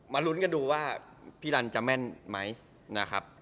ลุ้นกันดูว่าพี่รันจะแม่นไหมนะครับ